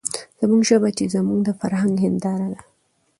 زموږ ژبه چې زموږ د فرهنګ هېنداره ده،